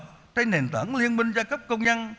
đại đoàn kết toàn dân tộc là nền tảng liên minh gia cấp công nhân